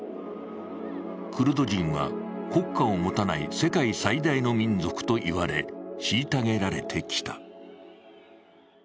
クルド人は国家を持たない世界最大の民族と言われ、虐げられてきた。